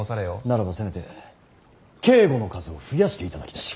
ならばせめて警固の数を増やしていただきたい。